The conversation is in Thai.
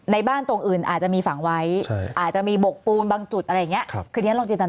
บ้านตรงอื่นอาจจะมีฝังไว้อาจจะมีบกปูนบางจุดอะไรอย่างนี้